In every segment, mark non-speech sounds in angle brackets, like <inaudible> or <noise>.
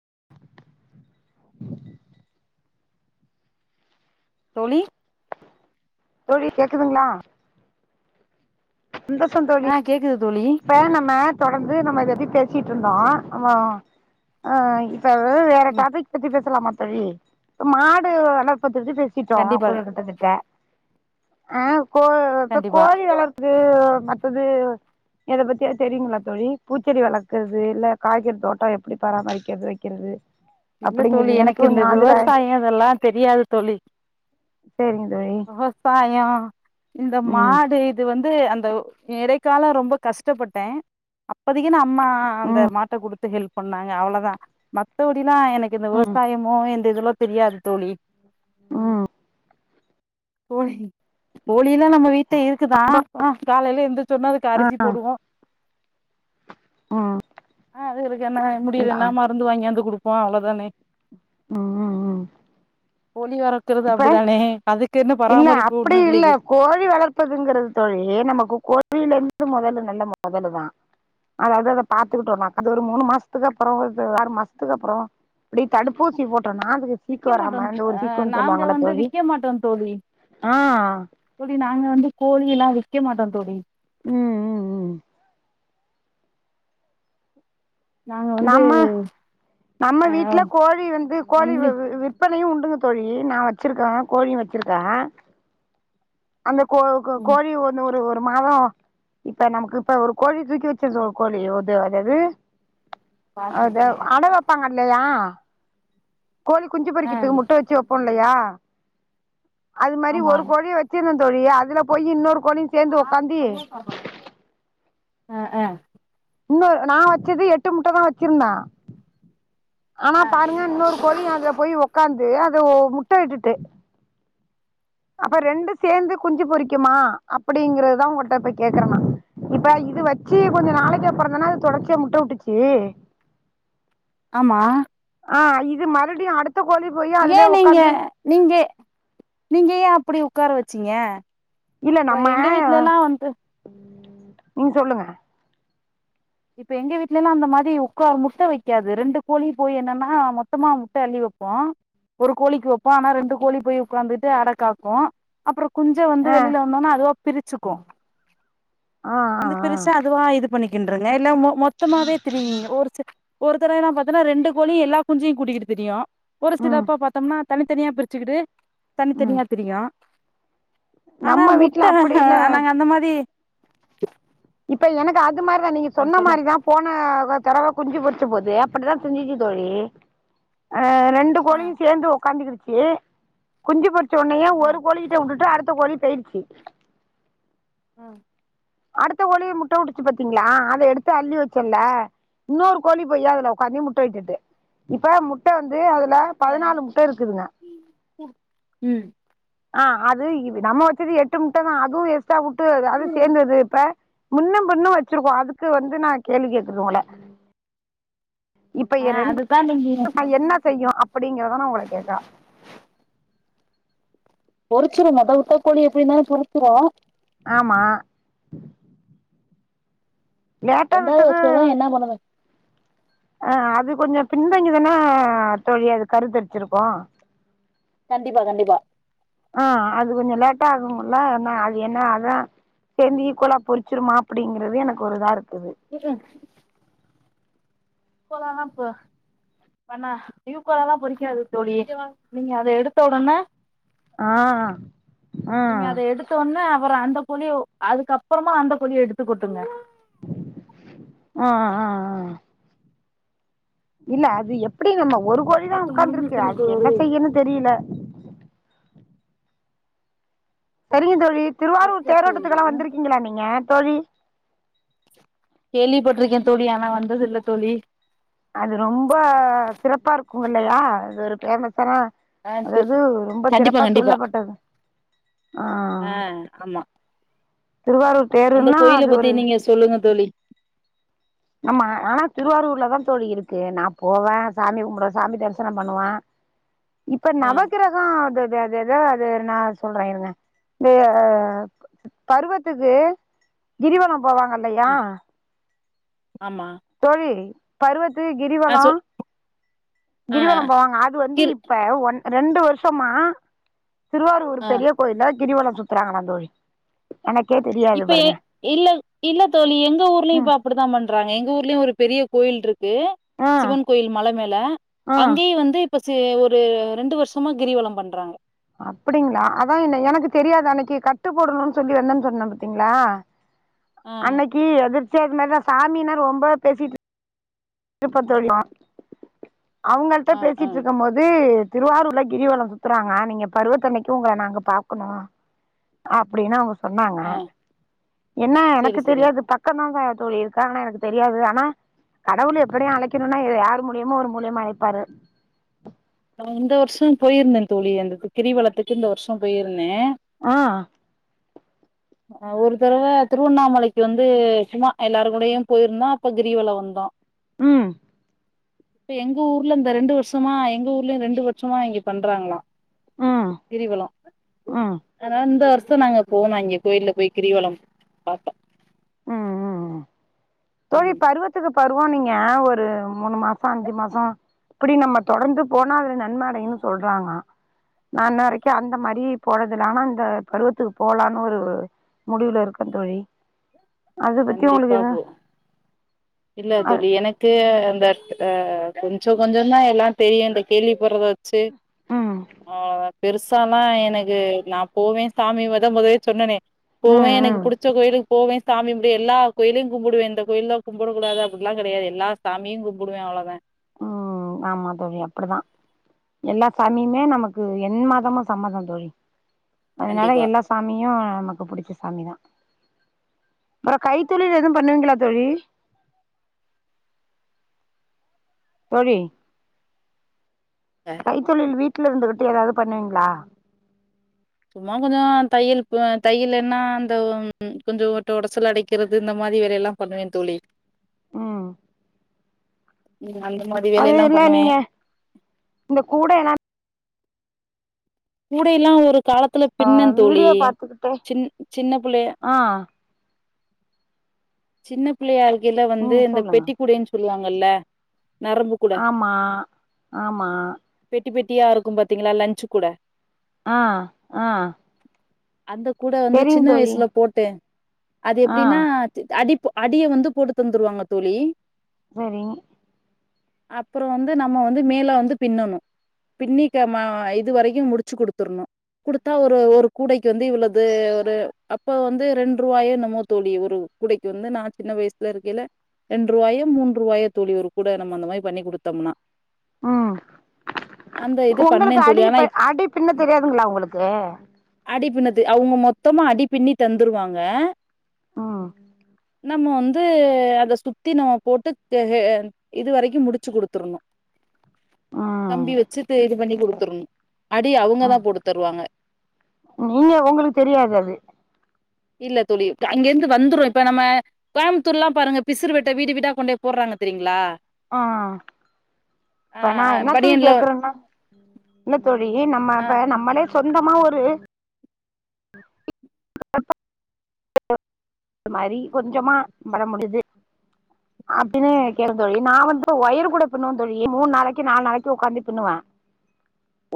<inaudible> தோழி தோழி கேக்குதுங்களா சந்தோஷம் தோழி ஆ கேக்குது தோழி இப்ப நம்ம தொடர்ந்து நம்ம எத பே பேசிட்ருந்தோம் ஆஹ் ஆஹ் வேற ம் டாபிக் பத்தி பேசலாம தோழி மாடு வளர்ப் பத்துத்து பேசிட்டோம் கண்டிப்பா ஒரு கிட்ட தட்ட <unintelligible> கோ இப்ப கண்டிப்பா கோழி வளர் அது மத்தது எத பத்தியாவுது தெரியுங்களா தோழி பூச்செடி வளர்க்குறது இல்ல காய்கறி தோட்டம் எப்படி பராமரிக்கிறது வைக்கிறது இல்ல தோழி அப்படிங்கிறது எனக்கு இந்த கொஞ்சம் அதுல விவசாயம் இதெல்லாம் தெரியாது தோழி சரிங்க தோழி விவசாயோ இந்த ம் மாடு இது வந்து அந் இடைக்காலம் ரொம்ப கஷ்டப்பட்டேன் அப்பதைக்கு நா அம்மா அந்த ம் மாட்ட கொடுத்து ஹெல்ப் பன்னாங்க அவ்வளோதான் மத்த எனக்கு இந்த ம் விவசாயமோ இதெல்லாம் தெரியாது தோழி ஹம் போகி போ ல்லாம் நம்ம வீட்ட இருக்குதான் காலேயில ஏந்திரிச் சொன்ன அதுக்கு ஆ அரிசி ம் போடுவோம் ம் ஆஹ் அதுகளுக்கு என்ன முடியலன மருந்து வாங்கியாந்து குடுப்போம் ஹா அவ்ளோ தானே உஹ்ம்ம் <unintelligible> இப்ப அப்டிதானே அதுக்கு என்ன இல்ல பராமரிப்பு அப்படி ஒண்ணு இல்ல இல்லையே கோழி வளர்ப்பதுங்கிறது தோழி நமக்கு கோழில இருந்து முதலு நல்ல முதலு தான் அதாவது அத பாத்துக்கிட்டோம்னா அது ஒரு மூணு மாசத்துக்கு அப்புறம் ஆறு மாசத்துக்கு அப்புறம் இப்பிடி தடுப்பூசி போட்டு டோனா அதுக்கு சீக்கு விக்க மாட்டோ வராம இந்த ஒரு அ சீக்க நாங்க வந்து விக்க மாட்டோம் தோழி தோழி நாங்க வந்து கோழி எல்லாம் விக்க மாட்டம் தோழி உம் உம் உம் நாங்க வந்து நம்ம நம்ம அ வீட்டுல கோழி வந்து கோழி ஒன்லி விற்பனையும் உண் ருங்க தோழி நான் வச்சிருக்கேன் கோழி வச்சிருக்கேன் அந்த கோ ம் கோழி ஒன்னுந்து ஒரு மாதம் இப்ப நமக்கு இப்ப ஒரு கோழி தூக்கி வச்சிரு கோழி உது அது தது அது ஆ அட வைப்பாங்க இல்லையா கோழி குஞ்சு பொறிக்கிறதுக்கு முட்டை வச்சு வைப்போ இல்லையா அது மாரி ஆமா ஒரு கோழிய வச்சு தோழி அதுல போய் இன்னொரு கோழியு ஆ சேந்து உக்காந்தி ஆஹ் ஆஹ் இன்னும் நான் வச்சது எட்டு முட்டை தான் வச்சிருந்தேன் ஆனா பாருங்க இன்னொரு கோழி அதுல போய் உக்காந்து முட்டை விட்டுட்டு அப்ப ரெண்டு சேர்ந்து குஞ்சு பொறிக்குமா அப்படிங்கிறதுதான் உங்களிட்ட போ கேக்குறேனா இப்ப இது வச்சு கொஞ்சம் நாளைக்கு அப்புறந்தேன்னா அது தொடர்ச்சியா முட்டை விட்டுச்சு ஆமா ஆஹ் இது மறுபடியும் அடுத்து ஏன் நீங்க நீங்க நீங்க ஏன் அப்படி உட்கார வச்சிங்க இல்ல நம்ம நீங்க சொல்லுங்க இப்ப எங்க வீட்டுல எல்லாம் அந்த மாதிரி உக்க முட்டை வைக்காது ரெண்டு கோழி போய் என்னன்னா மொத்தமா முட்டை அள்ளி வைப்போம் ஒரு கோழிக்கு வைப்போம் ஆனா ரெண்டு கோழி போய் உட்கார்ந்துட்டு அடக்காக்கும் அப்புறம் குஞ்சு வந்து ஆ வெளில வந்தனா அது பிரிச்சுக்கோம் ஆ ஆ வந்த ஆ பெருசா அதுவா இது பணிக்கனும் இருக்துங்க எல்லாம் மொத்தமாவே திரியுங்க ஒரு ச ஒருத்தரவை என்னா பாத்தன்னா ரெண்டு கோலியையும் எல்லா குஞ்சையும் கூட்டிகிட்டு தெரியும் ஒரு ம் சிலப்பா பாத்தோம்னா தனித்தனியா பிரிச்சுக்கிட்டு ம் தனித்தனியா பிரியும் ஆனா நம்ம வீட்ல முட்டை அப்படி ஹ இல்ல நாங்க அந்த மாதிரி ச்கு இப்ப எனக்கு அது இந்த மாதிரி தான் நீங்க சொன்ன மாதிரி தான் போன தடவ குஞ்சு போது அப்படிதான் திரிஞ்சுச்சு தோழி ரெண்டு ஆ கோழியும் சேர்ந்து உட்காந்து ஏ குஞ்சு பொரித்து சொன்னையே ஆ ஒரு கோழிட்ட விட்டுட்டு அடுத்து கோழி போய்யிடுச்சு உஹம் அடுத்த கோழிய முட்டை விட்டுச்சு பாத்தீங்களா அத எடுத்து அள்ளி வச்சர்ல இன்னொரு கோழி போய் அதுல உட்காந்த முட்டை விட்டுட்டு இப்ப மு முட்டை வந்து அதுல பதினாலு முட்டை இருக்குதுங்க ம் ஆஹ் அது இ நம்ம வச்சது எட்டு முட்ட தான் அதுவும் எஸ்ட்டா விட்டு அது சேர்ந்தது இப்ப முன்னும் பின்னும் வச்சிருக்கோம் அதுக்கு வந்து நான் கேள்வி கேக்குதுங்கள இப்ப ஆ என் அதுதா நீங்க ரெண்டு என்ன செய்யும் அப்படிங்கறதுதான் உங்க கேக்குறேன் பொறிச்சிரும்த உட்டக்கோழி எப்படின்னாலே பொறிச்சிரும் ஆமா லேட்டா எண்டா வச்சதுதான் என்ன பண்ணுது அஹ் அது கொஞ்சம் பின்தங்கிதானே தோழி அது கரு தெரிச்சுருக்கோம் கண்டிப்பா கண்டிப்பா ஆஹ் அது கொஞ்சம் லேட்டா ஆகும்ல அது என்ன அதான் சேர்ந்து ஈக்குோலா பொரிச்சிருமா அப்படிங்கறது எனக்கு ஒரு இதா இருக்கும் வீக் எண்டு க்கலான் இ பண்ண யுக்கலாம் தாம் பொரிக்காது தோழி நீங்க அத எடுத்த உடனே ஆஹ்ஹ் ஆஹ் அப்புறம் அந்த கொலிய அதுக்கு அப்புறமா அந்த கொலியை எடுத்துக்க கொட்டுங்க ஆஹ் ஆஹ்ஹ் இல்ல அது எப்படி நம்ம ஒரு கோழிதான் பத்து உட்கார்ந்துருக்கிறன் முடிஞ்சிருச்சுன்னு அதுக்கு என்ன தோழி செய்யன்னு தெரியல சரிங்க தோழி திருவாரூர் தேரோட்டத்துக்கெல்லாம் வந்திருக்கீங்களா நீங்க தோழி கேள்விப்பட்ருக்கேன் தோழி ஆனா வந்தது இல்ல தோழி அது ரொம்ப சிறப்பா இருக்கும் இல்லையா அது ஒரு ஏமாசானா ஆ செரி அதாது ரொம்ப கண்டிப்பா சிறப்பா கண்டிப்பா சொல்லப்பட்டது ஆ ஆஹ் ஆமா அந்த கோயில பத்தி நீங்க சொல்லுங்க தோழி நம்மா ஆனா திருவாரூர்ல தான் தோழி இருக்கு நான் போவேன் சாமி கும்பிடுவேன் சாமி தரிசனம் பண்ணுவேன் இப்ப ஆ நவகிரகம் அ அ அது ஏதோ அது நான் சொல்றேன் இருங்க இந்த பருவத்துக்கு கிரிவளம் போவாங்கஇல்லையா ம் ஆமா தோழி பருவ இத்து ஆ கிரிவலம் சொல் ஆ ஆ கிரிவலம் போவாங்க அது வந்து கிர் இப்ப ஒன் ரெண்டு வருஷமா திருவாரூர் ஆ பெரிய கோயிலா கிரிவளம் சுத்தறாங்கல்லாம் தோழி எனக்கே தெரியாது இப்ப பாருங்க இல்ல இல்ல தோழி எங்க ஊர்லயும் இப்ப ம் அப்படித்தான் பண்றாங்க எங்க எங்க ஊர்லயும் ஒரு பெரிய கோயில் இருக்கு இரு ஆ சிவன் கோயில் மலை மேல ஆ அங்கேயே வந்து இ ஒரு ரெண்டு வருஷமா கிரிவலம் பண்றாங்க அப்படிங்களா அதான் என்ன எனக்கு தெரியாது அன்னைக்கு கட்டு போடணும்னு சொல்லிவந்தேன்னு சொன்ன பத்தீங்களா ஆ அன்னைக்கு எதிர் சரி அது மாதிரிதான் சாமினா ரொம்ப பேசிட்டு இருப்பத்தோடிமா <unintelligible> அவங்கள்ட்ட ஆ ஆ பேசிட்டு இருக்கும் போது திருவாரூர்ல கிரிவலம் சுத்துறாங்க நீங்க பருவத்தன்னைக்கு உங்களை நாங்க பாக்கணும் அப்படின்னா அவங்க சொன்னாங்க ஆ என்ன செரி எனக்கு செரி தெரியாது பக்க தான் சொல்லி இருக்காங்கன்னா எனக்கு தெரியாது ஆனா கடவுள் எப்படியும் அழைக்கணும்னா யார் மூலியமும் ஒரு மூலியமா அழைப்பாரு நான் இந்த வருஷம் போயிருந்தேன் தோழி அந்த கிரிவலத்துக்கு இந்த வருஷம் போயிருந்தேன் ஆஹ் ஒரு தடவை திருவண்ணாமலைக்கு வந்து சும்மா எல்லாரும் கூடயும் போயிருந்தோம் அப்ப கிரிவலம் வந்தோம் உம் இப்ப எங்க ஊர்ல இந்த ரெண்டு வருஷமா எங்க ஊர் ரெண்டு வருஷமா இங்க பண்றாங்களாம் ம் கிரிவலம் ம் ம் ஆனா இந்த வருஷ <unintelligible> நாங்க போனம் இங்க கோயில்ல போய் கிரிவலம் பாத்தோம் ம் ம் தோழி பருவத்துக்கு பரு இப்ப நீங்க ஒரு மூணு மாசம் அஞ்சு மாசம் இப்படி நம்ம தொடர்ந்து போனா அதுல நன்மை அடையும்னு சொல்றாங்க நான் இன்ன வரைக்கும் அந்த மாதிரி போனதுல ஆனா அந்த பருவத்துக்கு போலான்னு ஒரு முடிவுல இருக்கேன் தோழி அதை பத்தி உங்களுக்கு கண்டிப்பா எது போ இல்ல தோழி எனக்கு அ கொஞ்சம் கொஞ்சம் தான் எல்லாம் தெரியும் இந்த கேள்வி படுறத சரி ம் ஆ பெருசாலாம் எனக்கு நான் போவேன் சாமியவதான் <unintelligible> முதவே சொன்னனே ம் போவேன் எனக்கு ம் புடிச்ச கோயிலுக்கு போவேன் சாமிபடி எல்லா கோயிலும் கும்பிடுவேன் இந்த கோயில தான் கும்பிடக் கூடாது அப்படில்லாம் கிடையாது எல்லா சாமிய கும்படுவேன் அவ்ளோதான் உம் ஆமா தோழி அப்படிதான் எல்லா சாமியும் நமக்கு என் மதமும் சம்மதம் தோழி அதனால கண்டிப்பா எல்லா சாமியும் நமக்கு புடிச்ச சாமிதான் அப்புறம் கைத்தொழில் எதுவும் பண்ணுவீங்களா தோழி போடி <unintelligible> அ, கைத்தொழில் வீட்டு வீட்டுல இருந்துகிட்டு ஏதாவது பண்ணுவீங்களா சும்மா கொஞ்சம் தையல் தையல் என்ன அந்த கொஞ்சம் ஓட்ட உடசல் அடைக்கிறது இந்த மாதிரி வேலைய எல்லாம் பண்ணுவேன் தோழி உம் ம், அந்த மாரி அது வேலையெல்லா இல்ல பண்ணுவே நீங்க இந்த கூட என்ன கூட எல்லாம் ஒரு காலத்துல பின்ன தோழி வீடியோ பாத்துக்கிட்டே சின் சின்ன பிள்ளை ஆ சின்ன பிள்ளை இருக் இல்ல வந்து ம் இந்த சொல்லுங்க பெட்டி கூடை சொல் <unintelligible> வாங்கல்ல ஆமா ஆமா குட்டி பெட்டியா இருக்கும் பாத்தீங்களா லன்ச் கூடை ஆஹ் ஆஹ் அந்த கூடை வந்து சின்ன வயசுல போட்டேன் அது ஆ எப்டின்னா அடி அடிய வந்து போட்டு தந்துருவாங்க தோழி சேரி அப்றோம் வந்து நம்ம வந்து மேலே வந்து பின்னணும் பின்னி இது வரைக்கும் முடிச்சு குடுத்துடணும் கொடுத்தா ஒரு ஒரு கூடைக்கு வந்து இவ்வளது ஒரு அப்ப வந்து ரெண்டு ரூவாயோ என்னுமோ தோழி ஒரு கூடைக்கு வந்து நான் சின்ன வயசுல இருக்கில ரெண்டு ரூபாயோ மூன்று ரூபாயோ தோழி ஒரு கூட நம்ம அந்த மாரி பண்ணி குடுத்தோம்னா உம் அந்த இது பண்ணே உங்களுக்கு தோழி அடி ஆனா அடி பின்ன தெரியாதுங்களா உங்களுக்கு அடி பின்னது அவங்க மொத்தமா அடி பின்னி தந்துருவாங்க உம் நம்ம வந்து அத சுத்தி நம்ம போட்டு ஹ இதுவரைக்கும் முடிச்சு குடுத்துரோணும் கம்பி வச்சிட்டு இது பண்ணி குடுக்கணும் தந்துருனம் உம் நீங்க உங்களுக்கு தெரியாது அது இல்ல தோழி அங்கிருந்து வந்துரும் இப்ப நம்ம கோயமுத்தூர் எல்லா பாருங்க பிசுரு வெட்டை வீடு வீடா கொண்டே போடுறாங்க தெரியீங்களா ஆஹ் இப்ப ஆ நான் என்னத்துக்கு பனியன்ல கேக்குறேனா இல்ல தோழி ஏய் ஆ நம்ம நம்மளே சொந்தம் ஆமா ஒரு அது மாரி கொஞ்சமா பர முடியுது அப்டின்னு கேள் தோழி நான் வந்து ஒயரு கூடை பின்வேன் தோழி மூணு நாளைக்கு நாலு நாளைக்கு உக்காந்து பின்னுவேன்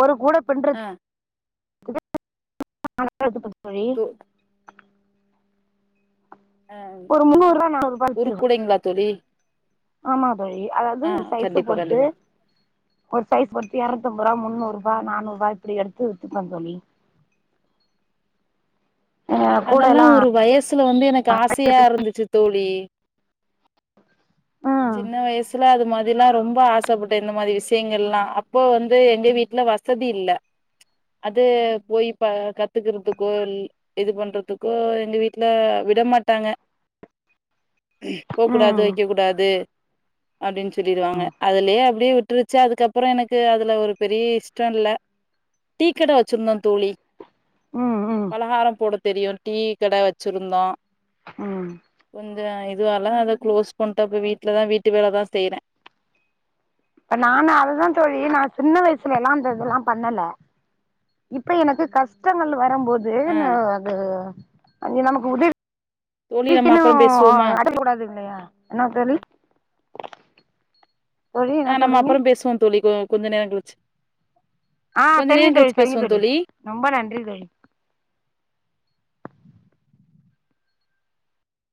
ஒரு கூடை ஆஹ் <unintelligible> தோழி து ஆஹ் ஒரு முன்னூறுபா நானூறுபா ஒரு வித்துருவே கூடைங்களா தோழி ஆமா அதாவது ஆ சைஸ கண்டிப்பா பொறுத்து கண்டிப்பா. ஒரு சைஸ்ச பொறுத்து இருனூத்து ஐம்பது‌ ரூபா முன்னூறு ரூபா‌ நானூறு ரூபா இப்டி எடுத்து வித்துப்பேன் தோழி ஆ அதெல்லாம் கூடலா ஒரு வயசுல வந்து எனக்கு ஆசையா இருந்துச்சு தோழி <inaudible> சின்ன வயசுல அது மா அதெல்லாம் ரொம்ப ஆசைப்பட்டேன் இந்த மாரி விஷயங்கள் எல்லா அப்போ வந்து எங்க வீட்ல வசதி இல்ல அது போய் இப்ப கத்துக்கறதுக்கோ இது பண்றதுக்கோ எங்க வீட்டுல விட மாட்டாங்க போக் கூடாது ம் வைக்க கூடாது அப்படின்னு சொல்லிடுவாங்க அதுலயே அப்படியே விட்டுருச்சு அதுக்கப்புறம் எனக்கு அதுல ஒரு பெரிய இஷ்டம் இல்ல டீக்கடை வச்சிருந்தோம் தோழி ம் ம் பலகாரம் போடுது தெரியும் டீ கடை வச்சிருந்தோம் ம் கொஞ்ச இது அல்ல அது க்ளோஸ் பன் ப்ப வீட்டுலதான் வீட்டு வேலை தான் செய்யறேன் இப்ப நான அததுதான் தோழி நான் சின்ன வயசுல எல்லாம் இந்ததெல்லாம் பண்ணல இப்ப எனக்கு கஷ்டங்கள் வ நம்பம்போது ஏ ஆ ந அது அது நீ நமக்கு உதி தோழி நம்ம அப்புறோ இக்குன்னும் பேசுவோமா அடக்கூடாது இல்லையா என்னா தோழி தோழி என்ன ஆஹ் நம்ம சொல்றீங்க அப்புறம் பேசுவோம் தோழிக்கோ கொஞ்ச நேரம் கழிச்சு ஆஹ் கொஞ்ச சரிங்க நேரோ தோழி கழிச்சு சரிங்க பேசுவோ தோழி ரொம்ப நன்றி தோழி